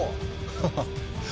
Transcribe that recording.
ハハッ。